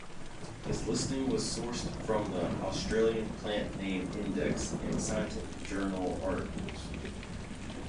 This listing was sourced from the "Australian Plant Name Index" and scientific journal articles.